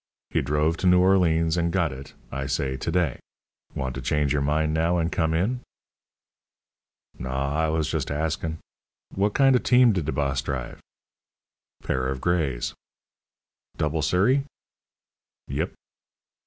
"He drove to Noo Orleans and got it, I say, to day. Want to change your mind now and come in?" "Naw, I was just askin'. Wot kind o' team did de boss drive?" "Pair of grays." "Double surrey?" "Yep."